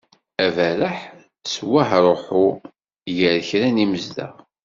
Aberreḥ s wahruḥu gar kra n yimezdaɣ